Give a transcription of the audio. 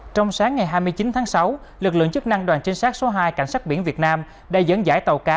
trong sáng ngày hai mươi chín tháng sáu lực lượng chức năng đoàn trinh sát số hai cảnh sát biển việt nam đã dẫn dải tàu cá